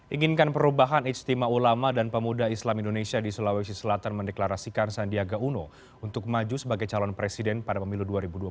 inginkan perubahan ijtima ulama dan pemuda islam indonesia di sulawesi selatan mendeklarasikan sandiaga uno untuk maju sebagai calon presiden pada pemilu dua ribu dua puluh